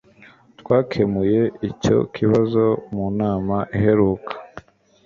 Twakemuye icyo kibazo mu nama iheruka